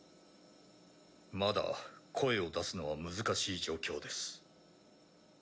まだ声を出すのは難しい状況です。